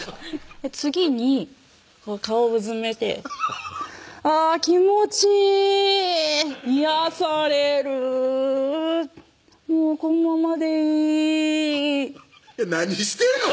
次に顔うずめてあぁ気持ちいい癒やされるもうこのままでいい何してんの？